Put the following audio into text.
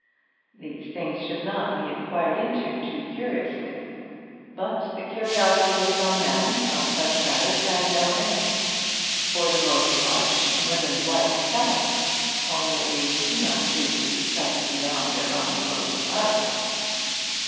These things should not be inquired into too curiously; but the curiosity of some men on such matters has no end. For the most part, women like telling, only they do not choose to be pressed beyond their own modes of utterance.